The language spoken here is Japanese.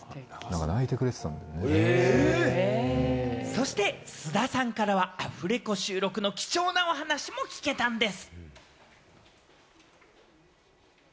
そして菅田さんからはアフレコ収録の貴重なお話も聞けたんです。